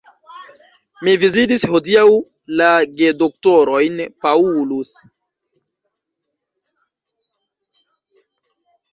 Mi vizitis hodiaŭ la gedoktorojn Paulus.